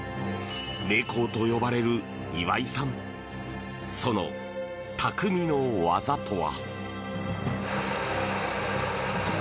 名工と呼ばれる岩井さんそのたくみの技とは？